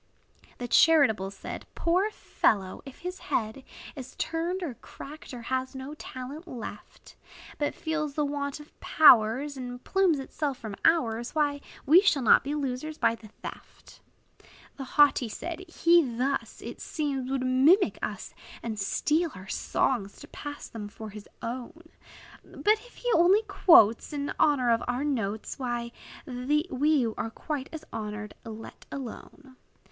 The charitable said, "Poor fellow! if his head Is turned, or cracked, or has no talent left; But feels the want of powers, And plumes itself from ours, Why, we shall not be losers by the theft." The haughty said, "He thus, It seems, would mimic us, And steal our songs, to pass them for his own! But if he only quotes In honor of our notes, We then were quite as honored, let alone."